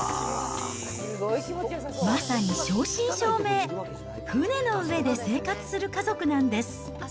まさに正真正銘、船の上で生活する家族なんです。